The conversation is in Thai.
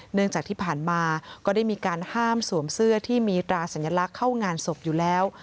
เนื่องจากที่ผ่านมาก็ได้มีการห้ามสวมเสื้อที่มีตราสัญลักษณ์เข้างานศพอยู่แล้ว